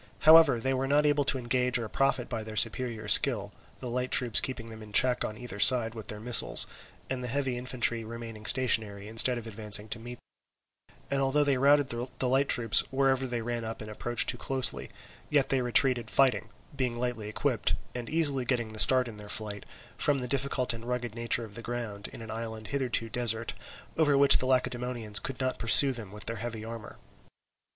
However, they were not able to engage or to profit by their superior skill, the light troops keeping them in check on either side with their missiles, and the heavy infantry remaining stationary instead of advancing to meet them; and although they routed the light troops wherever they ran up and approached too closely, yet they retreated fighting, being lightly equipped, and easily getting the start in their flight, from the difficult and rugged nature of the ground, in an island hitherto desert, over which the Lacedaemonians could not pursue them with their heavy armour.